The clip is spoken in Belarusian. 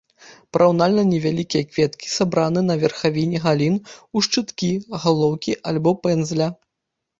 Параўнальна невялікія кветкі сабраны на верхавіне галін ў шчыткі, галоўкі або пэндзля.